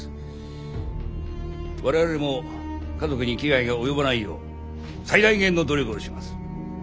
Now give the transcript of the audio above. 我々も家族に危害が及ばないよう最大限の努力をします。